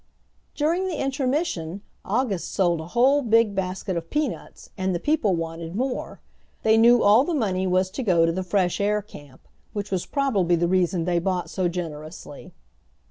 During the intermission August sold a whole big basket of peanuts, and the people wanted more. They knew all the money was to go to the fresh air camp, which was probably the reason they bought so generously.